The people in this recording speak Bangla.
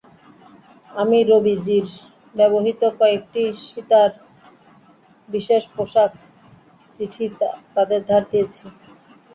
আমি রবিজির ব্যবহৃত কয়েকটি সিতার, বিশেষ পোশাক, চিঠি তাদের ধার দিয়েছি।